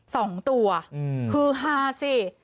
สองตัวฮือฮาสิ